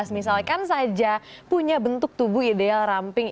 misalkan saja punya bentuk tubuh ideal ramping